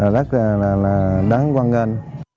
rất là đáng quan ngân